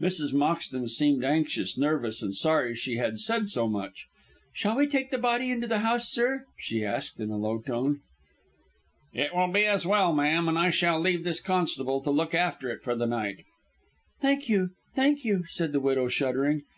Mrs. Moxton seemed anxious, nervous, and sorry she had said so much. "Shall we take the body into the house, sir?" she asked in a low tone. "It will be as well, ma'am, and I shall leave this constable to look after it for the night." "Thank you, thank you," said the widow, shuddering.